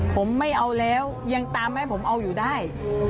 ผมไม่เอาแล้วยังตามให้ผมเอาอยู่ได้